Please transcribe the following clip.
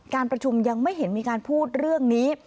การประชุมยังไม่เห็นมีการพูดเรื่องนี้